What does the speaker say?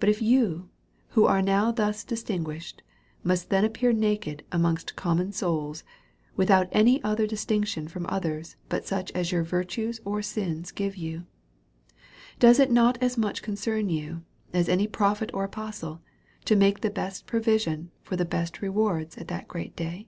But if you, who are nov/ thus distin guished, must then appear naked amongst common souls, without any other distinction from others but such as your virtues or sins give you ; does it not as much concern you, as any prophet or apostle, to make the best provision for the best rewards at that great day?